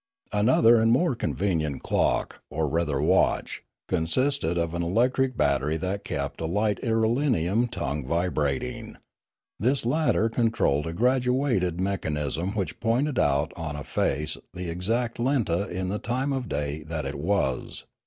Another and more convenient clock, or rather watch, consisted of an electric battery that kept a light irelium tongue vibrating; this latter controlled a graduated mechan ism which pointed out on a face the exact lenta in the time of day that it was.